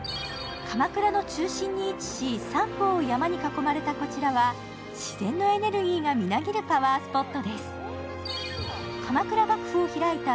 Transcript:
鎌倉の中心に位置し、三方を山に囲まれたこちらは自然のエネルギーがみなぎるパワースポットです。